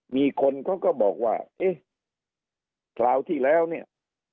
มีคนเขาก็บอกว่าเอ๊ะคราวที่แล้วเนี่ย